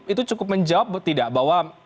itu cukup menjawab atau tidak bahwa